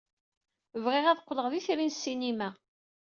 Bɣiɣ ad qqleɣ d itri n ssinima.